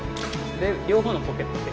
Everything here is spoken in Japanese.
で両方のポケット手。